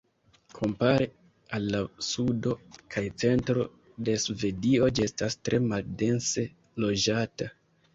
Kompare al la sudo kaj centro de Svedio, ĝi estas tre maldense loĝata.